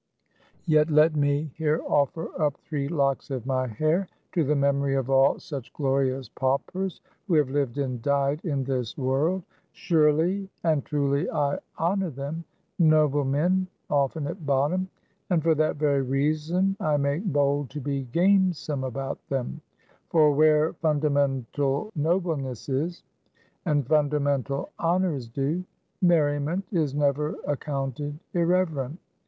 Yet let me here offer up three locks of my hair, to the memory of all such glorious paupers who have lived and died in this world. Surely, and truly I honor them noble men often at bottom and for that very reason I make bold to be gamesome about them; for where fundamental nobleness is, and fundamental honor is due, merriment is never accounted irreverent.